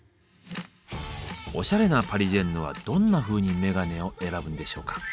おしゃれなパリジェンヌはどんなふうにメガネを選ぶんでしょうか。